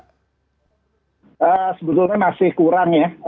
sebetulnya masih kurang ya